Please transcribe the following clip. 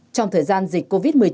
trong thời gian dịch covid một mươi chín